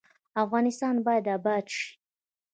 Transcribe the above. افغانستان باید اباد شي